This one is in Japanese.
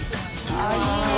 あっいいね。